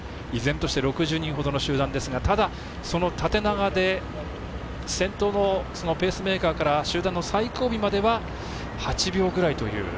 依然として６０人ほどの集団ですが、ただ縦長で先頭のペースメーカーから集団の最後尾までは８秒ぐらいという。